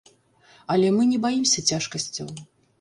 Але мы не баімся цяжкасцяў.